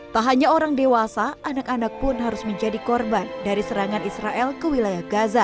tak hanya orang dewasa anak anak pun harus menjadi korban dari serangan israel ke wilayah gaza